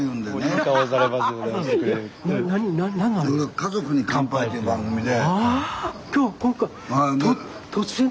「家族に乾杯」という番組で。